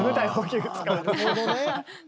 なるほどね！